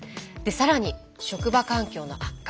更に職場環境の悪化。